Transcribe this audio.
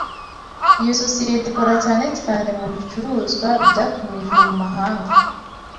Iyo sosiyete ikora cyane cyane mubicuruzwa byatumijwe mu mahanga.